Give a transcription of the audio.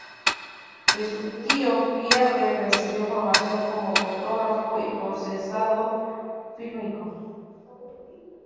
De su tío, Pierre recibió formación como fotógrafo y procesado fílmico.